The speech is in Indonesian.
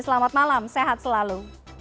selamat malam sehat selalu